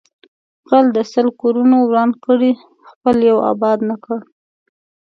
غل د سل کورونه وران کړي خپل یو آباد نکړي